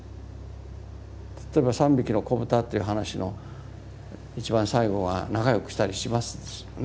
例えば「三びきのこぶた」という話の一番最後は仲良くしたりしますよね。